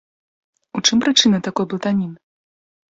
У чым прычына такой блытаніны?